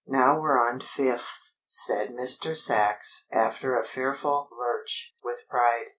"Now we're on Fifth," said Mr. Sachs, after a fearful lurch, with pride.